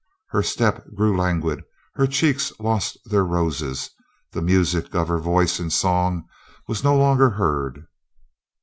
Her step grew languid, her cheeks lost their roses, the music of her voice in song was no longer heard.